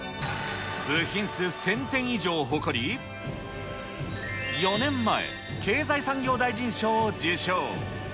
部品数１０００点以上を誇り、４年前、経済産業大臣賞を受賞。